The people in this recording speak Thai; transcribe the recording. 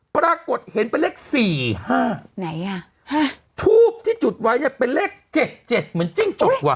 ปรากฏเห็นเป็นเลข๔๕ทูปที่จุดไว้เป็นเลข๗๗เหมือนจิ้งจบวะ